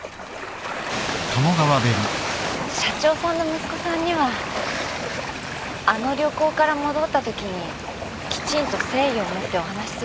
社長さんの息子さんにはあの旅行から戻ったときにきちんと誠意を持ってお話しするつもりでした。